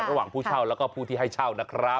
ผู้เช่าแล้วก็ผู้ที่ให้เช่านะครับ